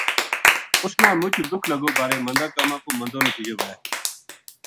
اُ س نامُچ دُکھ لگو بارے مندا کماں کو مندو نتیجو وھے